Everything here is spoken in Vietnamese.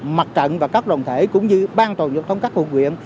mặt trận và các đoàn thể cũng như ban tàu giao thông các hội nguyện